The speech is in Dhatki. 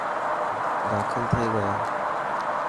داخل ٿي گيا.